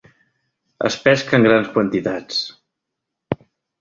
Es pesca en grans quantitats.